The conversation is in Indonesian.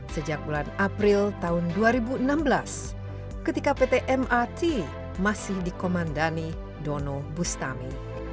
sejak bulan april tahun dua ribu enam belas ketika pt mrt masih dikomandani dono bustami